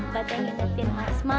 gak pengen ngeliatin asma